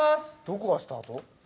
どこがスタート？